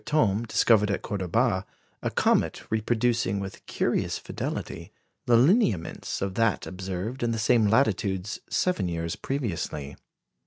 Thome discovered at Cordoba a comet reproducing with curious fidelity the lineaments of that observed in the same latitudes seven years previously.